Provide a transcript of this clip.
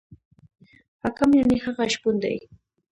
حاکم یعنې هغه شپون دی.